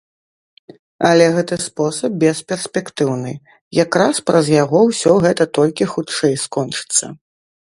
Але гэты спосаб бесперспектыўны, якраз праз яго ўсё гэта толькі хутчэй скончыцца.